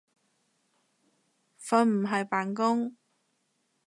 瞓唔係扮工